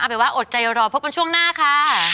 เป็นว่าอดใจรอพบกันช่วงหน้าค่ะ